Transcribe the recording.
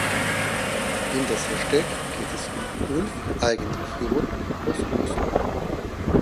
In "Das Versteck" geht es um Ulf (eigentlich Jon) aus Oslo.